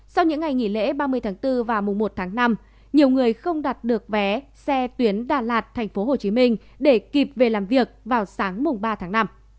sau những ngày nghỉ lễ ba mươi tháng bốn và mùa một tháng năm nhiều người không đặt được vé xe tuyến đà lạt tp hcm để kịp về làm việc vào sáng mùng ba tháng năm